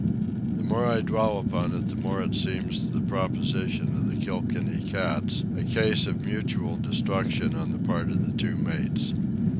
The more I dwell upon it the more it seems the proposition of the Kilkenny cats, a case of mutual destruction on the part of the two mates.